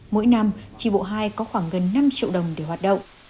mỗi năm tri bộ hai có khoảng gần năm triệu đồng để hoạt động